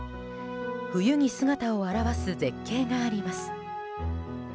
冬に姿を現す絶景があります。